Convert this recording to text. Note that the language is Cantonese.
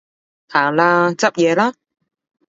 行啦，執嘢啦